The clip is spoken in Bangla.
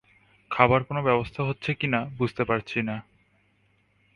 খাবার কোনো ব্যবস্থা হচ্ছে কি না বুঝতে পারছি না।